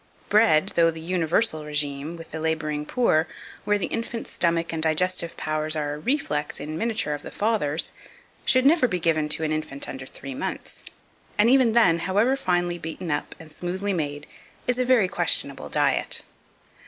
Bread, though the universal régime with the labouring poor, where the infant's stomach and digestive powers are a reflex, in miniature, of the father's, should never be given to an infant under three months, and, even then, however finely beaten up and smoothly made, is a very questionable diet.